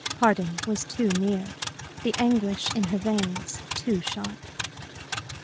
Parting was too near, the anguish in her veins too sharp.